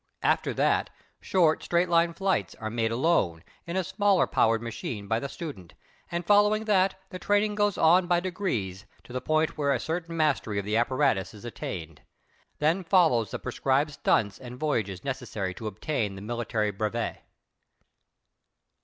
After that, short, straight line flights are made alone in a smaller powered machine by the student, and, following that, the training goes on by degrees to the point where a certain mastery of the apparatus is attained. Then follows the prescribed "stunts" and voyages necessary to obtain the military brevet.